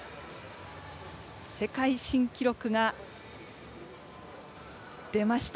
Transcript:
世界新記録が出ました。